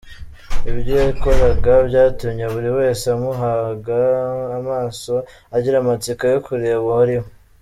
Ibyo yikoraga byatumye buri wese amuhanga amaso agira amatsiko yo kureba uwo ariwe.